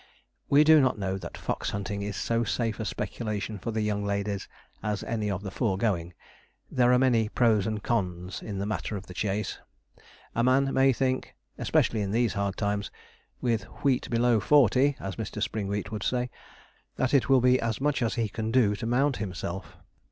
we do not know that fox hunting is so safe a speculation for young ladies as any of the foregoing. There are many pros and cons in the matter of the chase. A man may think especially in these hard times, with 'wheat below forty,' as Mr. Springwheat would say that it will be as much as he can do to mount himself.